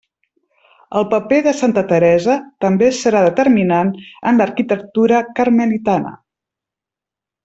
El paper de santa Teresa també serà determinant en l'arquitectura carmelitana.